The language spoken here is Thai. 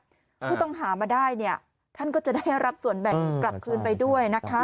ผู้ต้องหามาได้เนี่ยท่านก็จะได้รับส่วนแบ่งกลับคืนไปด้วยนะคะ